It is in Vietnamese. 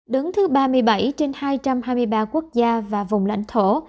đứng thứ ba mươi bảy trên hai trăm hai mươi ba quốc gia và vùng lãnh thổ